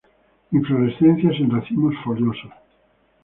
Inflorescencias en racimos foliosos.